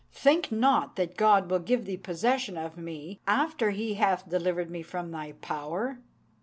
Think not that God will give thee possession of me after He hath delivered me from thy power."